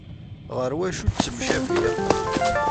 Ɣer wacu ttemcabiɣ?